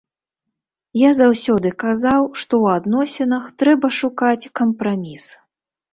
Я заўсёды казаў, што ў адносінах трэба шукаць кампраміс.